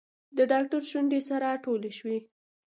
د ډاکتر شونډې سره ټولې شوې.